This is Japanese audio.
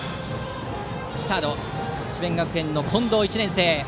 サード、智弁学園、近藤１年生。